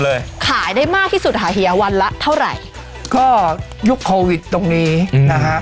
เลยขายได้มากที่สุดค่ะเฮียวันละเท่าไหร่ก็ยุคโควิดตรงนี้นะฮะ